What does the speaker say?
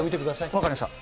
分かりました。